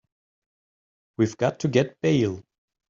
We've got to get bail.